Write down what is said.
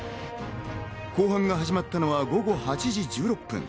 後半が始まったのは午後８時１６分。